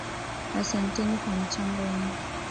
Asanteni kwa mchango wenu.